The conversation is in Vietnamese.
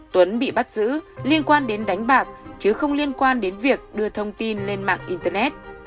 tuấn bị bắt giữ liên quan đến đánh bạc chứ không liên quan đến việc đưa thông tin lên mạng internet